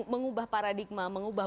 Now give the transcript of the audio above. mengubah paradigma mengubah